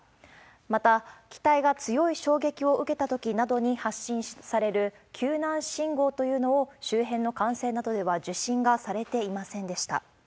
また、期待が強い衝撃を受けたときなどに発信される救難信号というのを、周辺の管制などでは受信がされていませんでした。